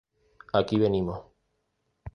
Aquí venimos!